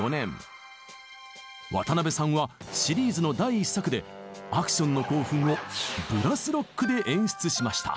渡辺さんはシリーズの第１作でアクションの興奮をブラス・ロックで演出しました。